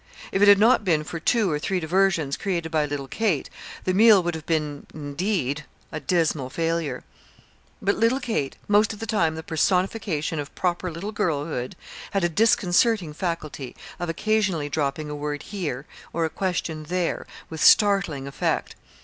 If it had not been for two or three diversions created by little Kate, the meal would have been, indeed, a dismal failure. But little Kate most of the time the personification of proper little girlhood had a disconcerting faculty of occasionally dropping a word here, or a question there, with startling effect.